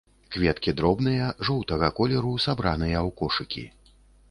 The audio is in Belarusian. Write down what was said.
Кветкі дробныя, жоўтага колеру, сабраныя ў кошыкі.